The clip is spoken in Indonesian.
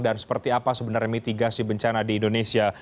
dan seperti apa sebenarnya mitigasi bencana di indonesia